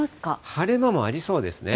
晴れ間もありそうですね。